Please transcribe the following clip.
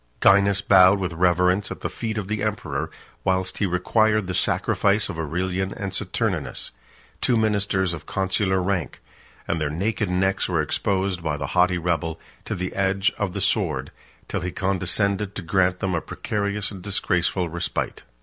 Gainas bowed with reverence at the feet of the emperor, whilst he required the sacrifice of Aurelian and Saturninus, two ministers of consular rank; and their naked necks were exposed, by the haughty rebel, to the edge of the sword, till he condescended to grant them a precarious and disgraceful respite.